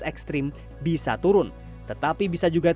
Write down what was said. ekstrim bisa turun tetapi bisa juga